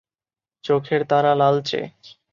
চোখের তারা লালচে।